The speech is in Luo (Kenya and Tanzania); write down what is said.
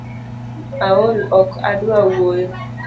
Aol ok adua wuoyo